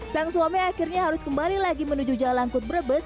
sang suami akhirnya harus kembali lagi menuju jalangkut brebes